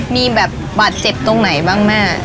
มีแบบบาดเจ็บตรงไหนบ้างแม่